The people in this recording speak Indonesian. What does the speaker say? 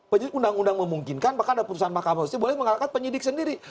penyidik undang undang memungkinkan bahkan ada perusahaan mahkamah boleh mengatakan penyidik sendiri